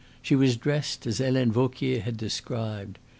She was dressed as Helene Vauquier had described.